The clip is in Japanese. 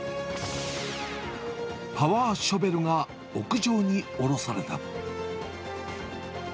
パワーショベルが屋上に下ろされた。